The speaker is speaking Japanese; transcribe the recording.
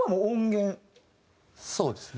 そうですね。